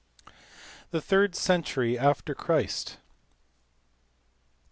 The third century after Christ.